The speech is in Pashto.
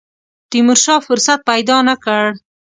تیمورشاه فرصت پیدا نه کړ.